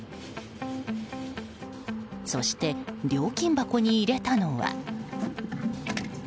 そして、料金箱に入れたのは。